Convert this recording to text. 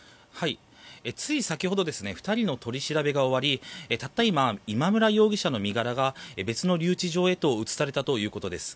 つい先ほど２人の取り調べが終わりたった今、今村容疑者の身柄が別の留置場へと移されたということです。